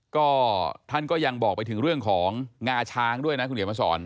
ก็ท่านก็ยังบอกไปถึงเรื่องของงาช้างด้วยนะคุณเขียนมาสอน